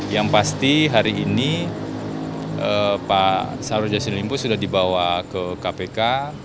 yang pasti hari ini pak sarulia selimpo sudah dibawa ke kpk